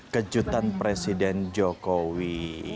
kejutan presiden jokowi